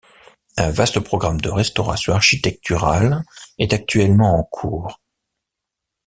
Un vaste programme de restauration architectural est actuellement en cours.